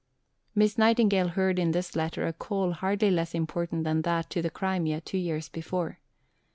Miss Nightingale heard in this letter a call hardly less important than that to the Crimea, two years before.